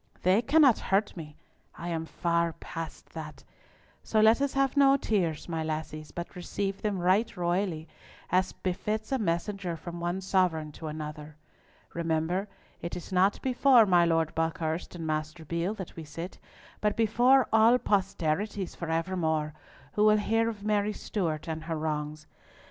They cannot hurt me! I am far past that! So let us have no tears, my lassies, but receive them right royally, as befits a message from one sovereign to another! Remember, it is not before my Lord Buckhurst and Master Beale that we sit, but before all posterities for evermore, who will hear of Mary Stewart and her wrongs.